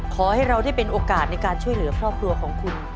ขอให้เราได้เป็นโอกาสในการช่วยเหลือครอบครัวของคุณ